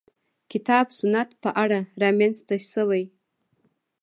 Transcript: کتاب سنت په اړه رامنځته شوې.